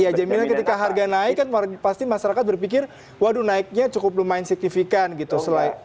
ya jaminan ketika harga naik kan pasti masyarakat berpikir waduh naiknya cukup lumayan signifikan gitu